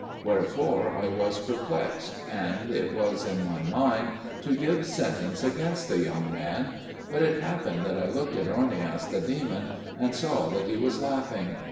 Wherefore I was perplexed, and it was in my mind to give sentence against the young man; but it happened that I looked at Ornias the demon, and I saw that he was laughing.